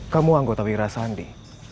kamu anggota wira sandi